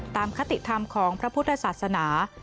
คติธรรมของพระพุทธศาสนา